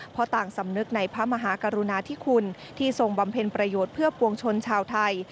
เพราะต่างสำนึกในพระมหากรุณาธิคุณที่ทรงบำเพ็ญประโยชน์เพื่อปวงชนชาวไทย